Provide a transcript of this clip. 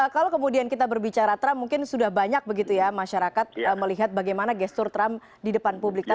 kalau kemudian kita berbicara trump mungkin sudah banyak begitu ya masyarakat melihat bagaimana gestur trump di depan publik